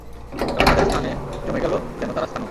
তারা তাদের স্থানে জমে গেল যেন তারা স্থাণু।